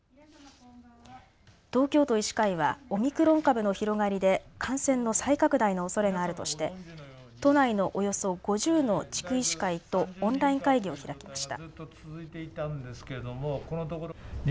東京都医師会はオミクロン株の広がりで感染の再拡大のおそれがあるとして都内のおよそ５０の地区医師会とオンライン会議を開きました。